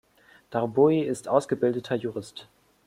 Darboe ist ausgebildeter Jurist.